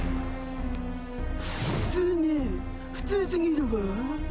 普通ね普通すぎるわ。